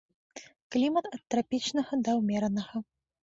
Клімат ад трапічнага да ўмеранага.